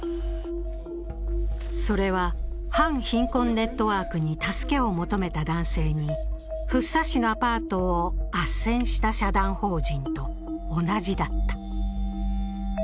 それは反貧困ネットワークに助けを求めた男性に福生市のアパートを斡旋した社団法人と同じだった。